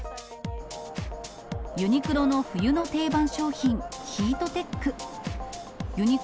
ユニクロの冬の定番商品、ヒートテック。